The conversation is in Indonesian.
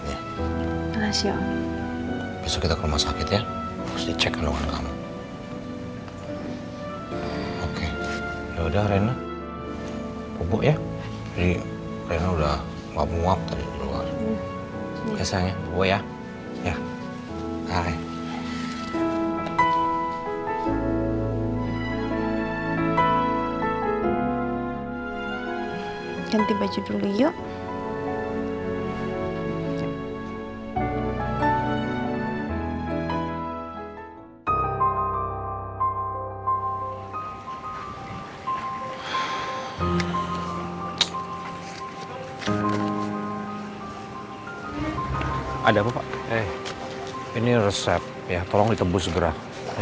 ya terima kasih